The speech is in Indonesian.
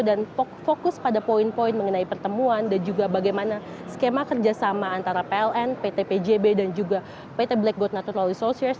dan fokus pada poin poin mengenai pertemuan dan juga bagaimana skema kerjasama antara pln pt pjb dan juga pt black gold natural resources